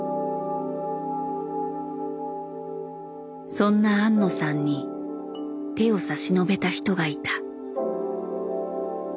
そんな庵野さんに手を差し伸べた人がいた。